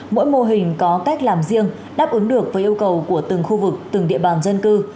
mỗi mô hình có cách làm riêng đáp ứng được với yêu cầu của từng khu vực từng địa bàn dân cư